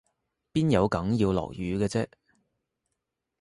邊有梗要落雨嘅啫？